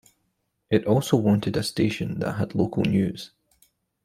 It also wanted a station that had local news.